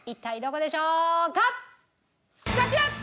こちら！